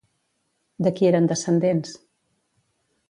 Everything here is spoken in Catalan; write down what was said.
De qui eren descendents?